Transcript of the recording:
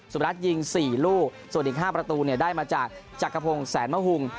สุมรรถยิง๔ลูกส่วนอีก๕ประตูได้มาจากจักรพงศ์แสนมหุ่ง